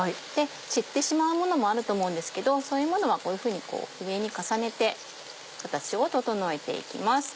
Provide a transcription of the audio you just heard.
散ってしまうものもあると思うんですけどそういうものはこういうふうに上に重ねて形を整えていきます。